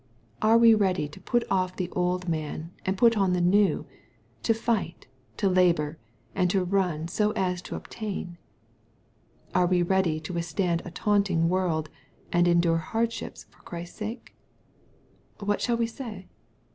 Are we ready to put off the old man, and put on the new — to fight, to labor, and to run so as to obtain ? Are we ready to withstand a taunting world, and endure hard ships for Christ's sake ?— What shall we say